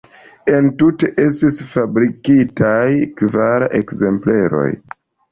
Entute estis fabrikitaj kvar ekzempleroj.